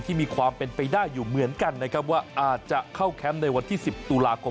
มีความเป็นไปได้อยู่เหมือนกันนะครับว่าอาจจะเข้าแคมป์ในวันที่๑๐ตุลาคม